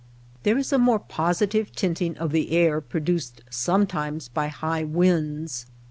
There is a more positive tinting of the air produced sometimes by high winds.